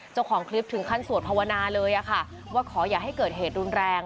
เจ้าของคลิปถึงขั้นสวดภาวนาเลยค่ะว่าขออย่าให้เกิดเหตุรุนแรง